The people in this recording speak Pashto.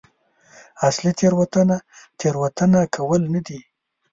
اصلي تېروتنه تېروتنه کول نه دي.